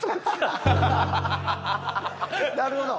なるほど。